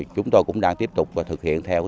và dạy em học nghề